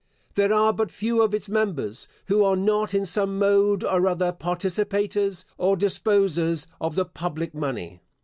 There are but few of its members, who are not in some mode or other participators, or disposers of the public money.